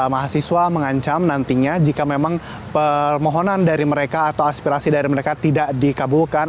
mahasiswa mengancam nantinya jika memang permohonan dari mereka atau aspirasi dari mereka tidak dikabulkan